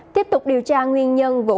tiếp tục điều tra nguyên nhân vụ